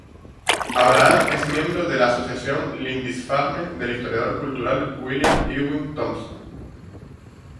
Abraham es miembro de la Asociación Lindisfarne del historiador cultural William Irwin Thompson.